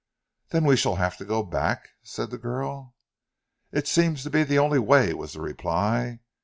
"Then we shall have to go back?" said the girl. "It seems to be the only way," was the reply.